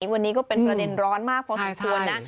วันนี้ก็เป็นประเด็นร้อนมากพอสมควรนะ